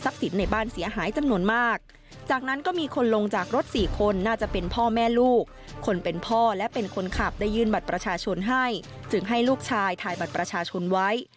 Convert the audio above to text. ไปถ่ายบัตรประชาชนไว้